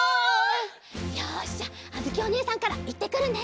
よしじゃああづきおねえさんからいってくるね！